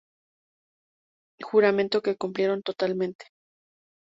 Juramento que cumplieron totalmente.